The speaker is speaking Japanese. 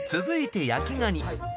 続いて焼きガニ。